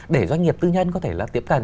để doanh nghiệp tư nhân có thể là tiếp cận